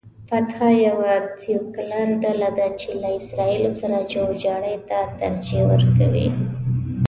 فتح یوه سیکولر ډله ده چې له اسراییلو سره جوړجاړي ته ترجیح ورکوي.